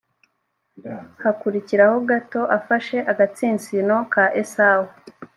hakurikiraho gato afashe agatsinsino ka esawu